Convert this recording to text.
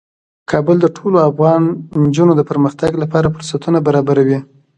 کابل د ټولو افغان نجونو د پرمختګ لپاره فرصتونه برابروي.